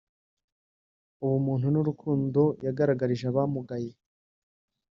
ubumuntu n’urukundo yagaragarije abamugaye